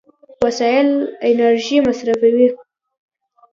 وسایل انرژي مصرفوي.